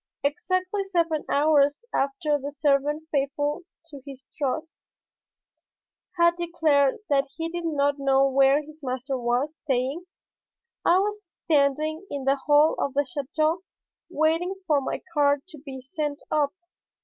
Exactly seven hours after the servant, faithful to his trust, had declared that he did not know where his master was staying, I was standing in the hall of the château waiting for my card to be sent up.